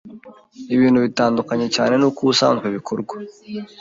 ibintu bitandukanye cyane n'uko ubusanzwe bikorwa